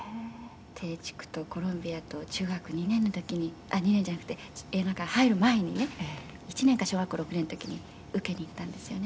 「テイチクとコロムビアと中学２年の時に２年じゃなくて映画界入る前にね１年か小学校６年の時に受けに行ったんですよね」